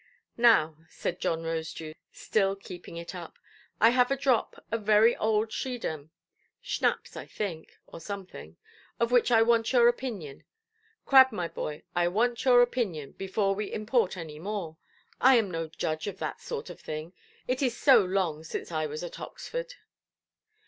"Now", said John Rosedew, still keeping it up, "I have a drop of very old Schiedam—Schnapps I think, or something—of which I want your opinion; Crad, my boy, I want your opinion, before we import any more. I am no judge of that sort of thing; it is so long since I was at Oxford".